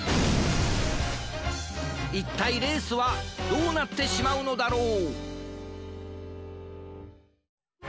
いったいレースはどうなってしまうのだろう？